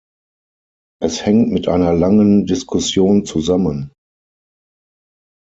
Es hängt mit einer langen Diskussion zusammen.